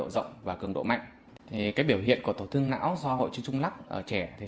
chia sẻ về mức độ nguy hiểm của hội chứng dung lắc ở trẻ nhỏ